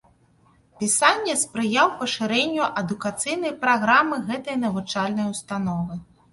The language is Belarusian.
Пісання спрыяў пашырэнню адукацыйнай праграмы гэтай навучальнай установы.